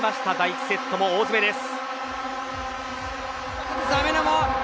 第１セットも大詰めです。